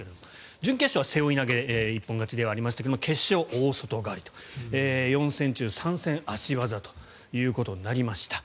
準決勝は背負い投げで一本勝ちではありましたが決勝、大外刈りと４戦中３戦、足技となりました。